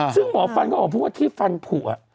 ซึ่งหมอฟันก็ออกมาพูดว่าที่ฟันผัว